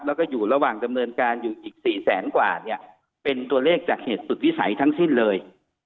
แล้วก็อยู่ระหว่างดำเนินการอยู่อีก๔แสนกว่าเนี่ยเป็นตัวเลขจากเหตุสุดวิสัยทั้งสิ้นเลย